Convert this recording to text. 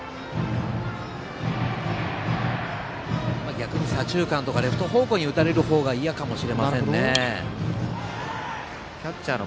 逆に、左中間やレフト方向に打たれる方が嫌かもしれませんね。